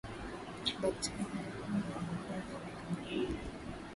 bakteria hawa hukua zaidi kwenye kupe